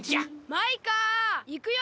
・マイカいくよ！